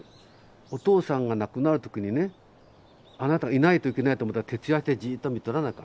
お父さんが亡くなる時にねあなたがいないといけないと思ったら徹夜してじっと見とらなあかんよ。